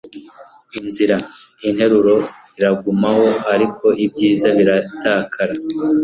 inzira, interuro iragumaho, -ariko ibyiza biratakara